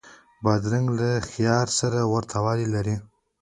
بادرنګ له خیار سره ورته والی لري.